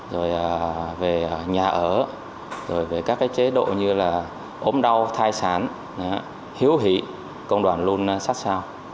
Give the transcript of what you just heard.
rồi về nhà ở rồi về các cái chế độ như là ốm đau thai sản hiếu hỉ công đoàn luôn sát sao